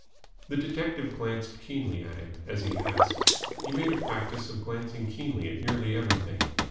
The detective glanced keenly at him as he passed. He made a practice of glancing keenly at nearly everything.